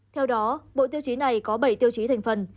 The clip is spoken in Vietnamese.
theo đó bộ tiêu chí này có bảy tiêu chí thành phần